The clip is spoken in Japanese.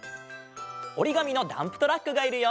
おりがみのダンプトラックがいるよ。